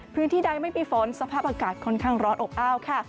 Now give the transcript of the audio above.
พื้นที่ใดไม่มีฝนสภาพอากาศค่อนข้างร้อนอบอ้าวค่ะ